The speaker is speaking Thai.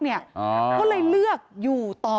ก็เลยเลือกอยู่ต่อ